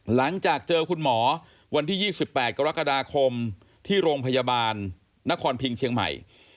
หลังจากเจอคุณหมอวันที่๒๘กรกฎาคมที่โรงพยาบาลนครพิงเชียงใหม่